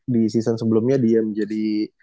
di season sebelumnya dia menjadi